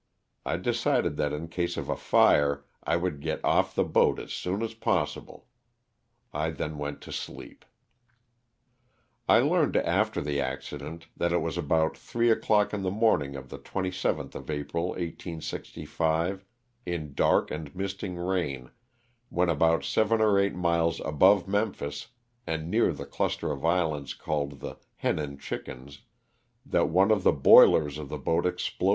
I decided that in case of a fire I would get olT the boat as soon as possible. I then went to sleep. I learned after the accident that it was about three o'clock in the morning of the 27th of April, 1805, in dark and misting rain, when about seven or eight miles above Memphis and near the cluster of islands called the "Hen and Chickens," that one of the boilers of the boat explo.